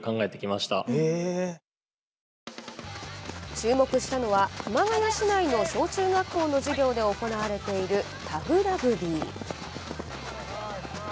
注目したのは、熊谷市内の小中学校の授業で行われているタグラグビー。